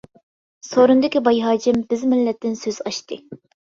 سورۇندىكى باي ھاجىم، بىز مىللەتتىن سۆز ئاچتى.